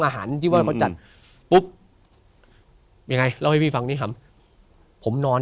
อาหารจีบอากาศจันทนารย์เยี่ยมไ้แล้วไปฟังให้คำผมนอน